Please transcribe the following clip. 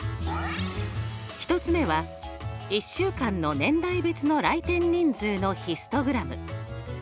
１つ目は１週間の年代別の来店人数のヒストグラム。